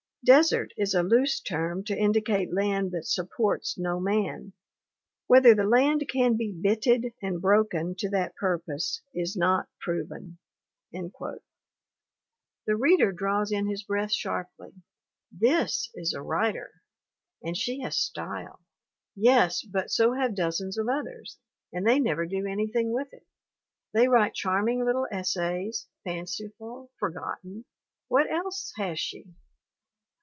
Desert is a loose term to indicate land that supports no man; whether the land can be bitted and broken to that purpose is not proven." The reader draws in his breath sharply. This is a writer! And she has style. Yes, but so have dozens of others. And they never do anything with it. They 1 70 THE WOMEN WHO MAKE OUR NOVELS write charming little essays, fanciful, forgotten. What else has she?